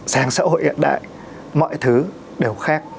sáng xã hội hiện đại mọi thứ đều khác